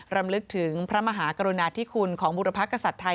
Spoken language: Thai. รำลึกถึงพระมหากรุณาธิคุณของบุรพกษัตริย์ไทย